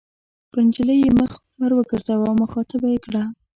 پر نجلۍ یې مخ ور وګرځاوه او مخاطبه یې کړه.